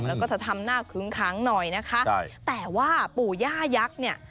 แล้วก็จะทำหน้าคึ้งค้างหน่อยนะคะใช่แต่ว่าปู่ย่ายักษ์เนี่ย